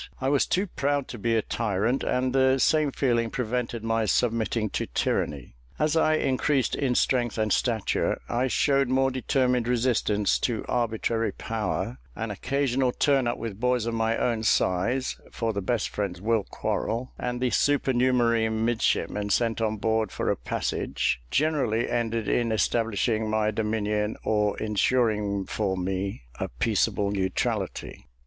I was too proud to be a tyrant, and the same feeling prevented my submitting to tyranny. As I increased in strength and stature, I showed more determined resistance to arbitrary power: an occasional turn up with boys of my own size (for the best friends will quarrel), and the supernumerary midshipmen sent on board for a passage, generally ended in establishing my dominion or insuring for me a peaceable neutrality.